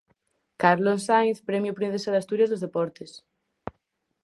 Carlos Sainz, premio Princesa de Asturias dos deportes.